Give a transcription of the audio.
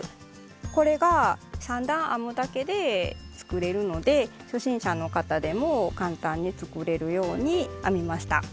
これが３段編むだけで作れるので初心者の方でも簡単に作れるように編みました。